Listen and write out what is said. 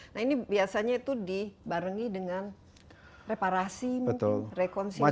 nah ini biasanya itu dibarengi dengan reparasi mungkin rekonsiliasi